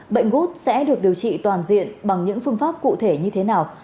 bệnh gút sẽ được điều trị toàn diện bằng những phương pháp cụ thể như thế nào